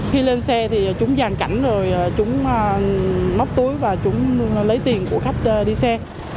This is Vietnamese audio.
khi lên xe thì chúng giàn cảnh rồi chúng móc túi và chúng lấy tiền của khách đi xe